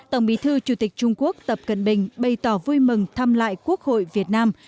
tổng bí thư chủ tịch trung quốc tập cận bình bày tỏ vui mừng thăm lại quốc hội việt nam